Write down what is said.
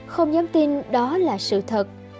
không dám tin đó là sự thật